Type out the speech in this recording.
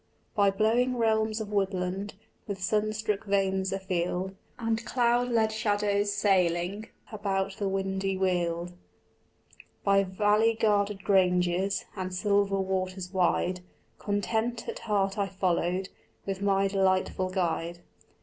By blowing realms of woodland With sunstruck vanes afield And cloud led shadows sailing About the windy weald, By valley guarded granges And silver waters wide, Content at heart I followed With my delightful guide.